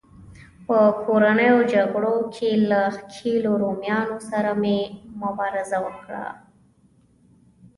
په کورنیو جګړو کې له ښکېلو رومیانو سره یې مبارزه وکړه